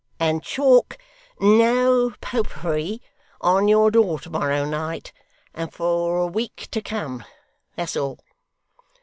And chalk "No Popery" on your door to morrow night, and for a week to come that's all.